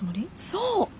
そう！